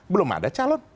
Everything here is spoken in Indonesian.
belum ada calon